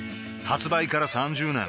発売から３０年